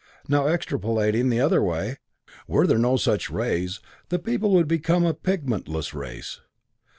Now extrapolating the other way, were there no such rays, the people would become a pigmentless race.